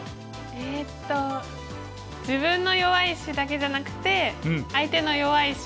えっと自分の弱い石だけじゃなくて相手の弱い石も見つつ。